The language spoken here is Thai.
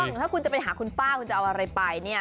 ถูกต้องถ้าคุณจะไปหาคุณป้าคุณจะเอาอะไรไป